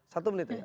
satu menit lagi